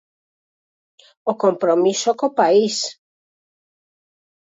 O compromiso co país.